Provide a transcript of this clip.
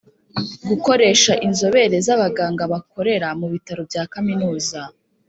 Gukoresha inzobere z’abaganga bakorera mu bitaro bya Kaminuza